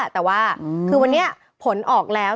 แต่ว่าคือวันนี้ผลออกแล้ว